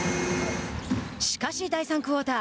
しかし、第３クオーター。